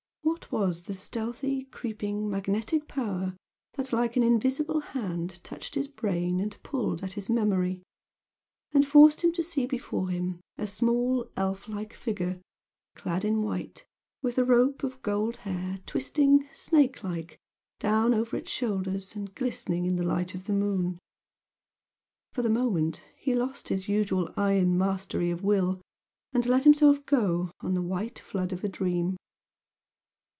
What was the stealthy, creeping magnetic power that like an invisible hand touched his brain and pulled at his memory, and forced him to see before him a small elf like figure clad in white, with a rope of gold hair twisting, snake like, down over its shoulders and glistening in the light of the moon? For the moment he lost his usual iron mastery of will and let himself go on the white flood of a dream.